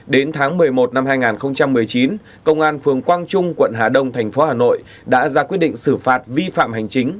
đến tháng một mươi một năm hai nghìn một mươi chín công an phường quang trung quận hà đông thành phố hà nội đã ra quyết định xử phạt vi phạm hành chính